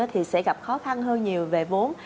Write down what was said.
thì sẽ gặp khó khăn hơn nhiều về vốn